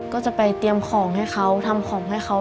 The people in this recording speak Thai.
ก็จะไปเตรียมของให้เขาทำของให้เขา